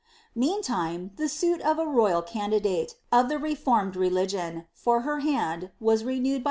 Meantime the suit of a royal candidate, of ihe refonned reli^on. for her liand, wa newed by l!